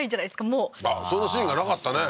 もうあっそのシーンがなかったね